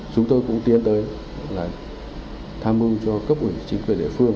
chúng tôi cũng tiến tới là tham mưu cho cấp ủy chính quyền địa phương